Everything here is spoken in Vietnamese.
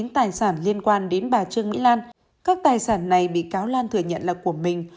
một một trăm sáu mươi chín tài sản liên quan đến bà trương mỹ lan các tài sản này bị cáo lan thừa nhận là của mình